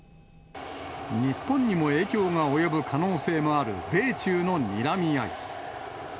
日本にも影響が及ぶ可能性のある米中のにらみ合い。